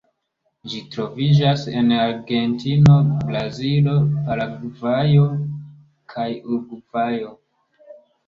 Ĝi troviĝas en Argentino, Brazilo, Paragvajo kaj Urugvajo.